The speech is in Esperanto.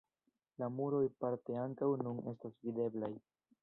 La muroj parte ankaŭ nun estas videblaj.